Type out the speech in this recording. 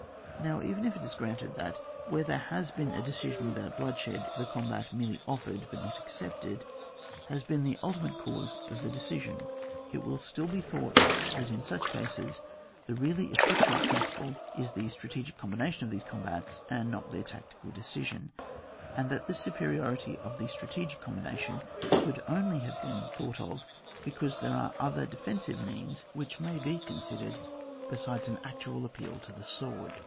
Now even if it is granted that, where there has been a decision without blood shed, the combat merely offered^ but not accepted, has been the ultimate cause of 92 ON WAS. [book vr. the decisioiiy it will still be thought that in such cases the really effectual principle is the strategic eombination of these com bats and not their tactical decision, and that this superiority of the strategic com bination could only have been thought of because there are other defensive means which may be considered besides an actual appeal to the sword.